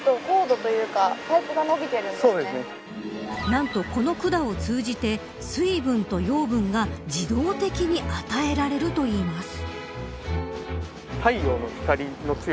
何と、この管を通じて水分と養分が自動的に与えられるといいます。